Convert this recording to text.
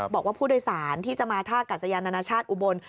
บอกว่าผู้โดยสารที่จะมาท่ากัศยานานาชาติอุบล